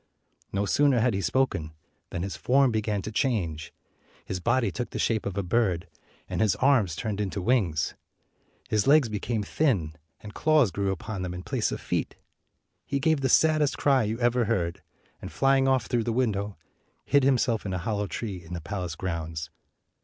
No sooner had he spoken than his form began to change. His body took the shape of a bird, and his arms turned into wings. His legs be came thin, and claws grew upon them in place of feet. He gave the saddest cry you ever heard, and, flying off through the window, hid himself in a hollow tree in the palace grounds.